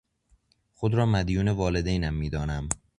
خود را مدیون والدینم میدانم.